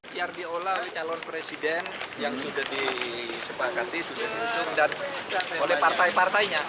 biar diolah oleh calon presiden yang sudah disepakati sudah diusung oleh partai partainya